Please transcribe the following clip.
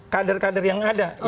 kader kader yang ada